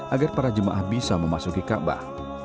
agar para jemaah bisa memasuki kaabah